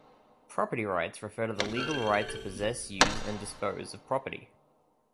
Property rights refer to the legal right to possess, use, and dispose of property.